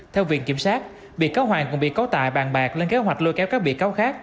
theo viện kiểm sát bị cáo hoàng cũng bị cáo tại bàn bạc lên kế hoạch lôi kéo các bị cáo khác